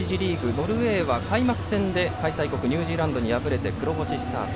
ノルウェーは開幕戦で開催国ニュージーランドに敗れて黒星スタート。